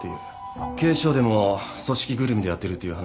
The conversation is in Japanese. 警視庁でも組織ぐるみでやってるっていう話です。